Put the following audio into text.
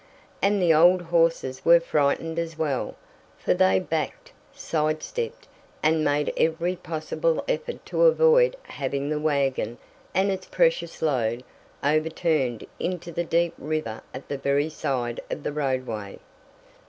And the old horses were frightened as well, for they backed, side stepped, and made every possible effort to avoid having the wagon, and its precious load, overturned into the deep river at the very side of the roadway.